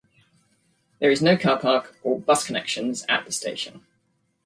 There is no car park or bus connections at the station.